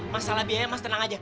mas salah biaya mas tenang aja